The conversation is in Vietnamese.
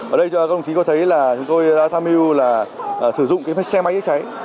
ở đây các đồng chí có thấy là chúng tôi đã tham mưu sử dụng xe máy cháy